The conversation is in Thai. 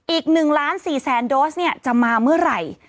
อีก๑๔ล้านโดสจะมาเมื่อไหร่